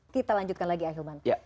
kita lanjutkan lagi akhilman